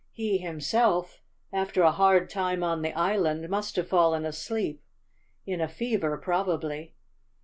He, himself, after a hard time on the island, must have fallen asleep, in a fever probably.